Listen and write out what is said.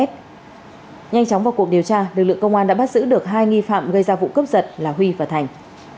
nhanh chóng vào cuộc điều tra lực lượng công an đã bắt giữ được hai nghi phạm gây ra vụ cướp giật là huy và thành